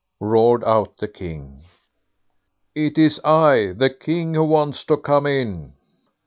roared out the King; "It's I, the King, who want to come in."